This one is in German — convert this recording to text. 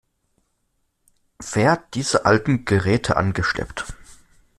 Wer hat diese alten Geräte angeschleppt?